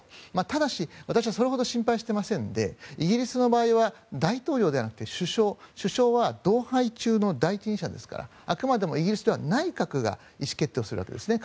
ただし、私はそれほど心配してませんでイギリスの場合は大統領ではなくて首相首相は同輩中の第一人者ですからあくまでもイギリスでは内閣が意思決定をするわけですね。